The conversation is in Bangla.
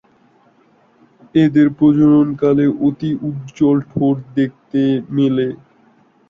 এদের প্রজনন কালে অতি উজ্জ্বল ঠোঁট দেখতে মেলে।